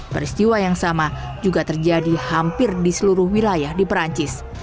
peristiwa yang sama juga terjadi hampir di seluruh wilayah di perancis